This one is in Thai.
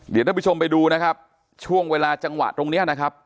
เดี๋ยวท่านผู้ชมไปดูนะครับช่วงเวลาจังหวะตรงเนี้ยนะครับ